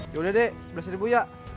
yaudah deh beras ribu ya